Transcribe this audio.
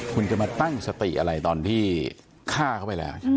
คุณจะมาตั้งสติอะไรตอนที่ฆ่าเขาไปแล้ว